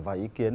vài ý kiến